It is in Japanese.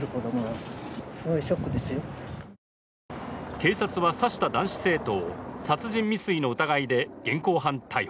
警察は刺した男子生徒を殺人未遂の疑いで現行犯逮捕。